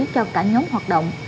cho cả nhóm hoạt động